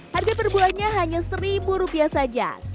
harga per buahnya hanya seribu rupiah saja